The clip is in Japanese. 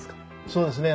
そうですね。